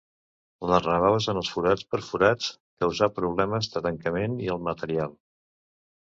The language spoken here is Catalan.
Les rebaves en els forats perforats causar problemes de tancament i el material.